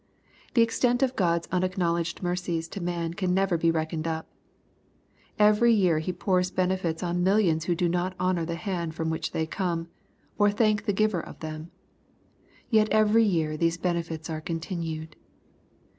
The extent of God's unacknowledged mercies to man can never be reckoned up. Every year he pours benefits on millions who do not honor the hand from which they come, or thank the Giver of them. Yet every year these benefits are continued.